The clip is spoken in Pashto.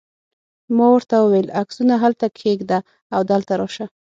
ما ورته وویل: عکسونه هلته کښېږده او دلته راشه.